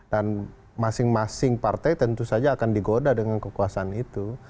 masing masing partai tentu saja akan digoda dengan kekuasaan itu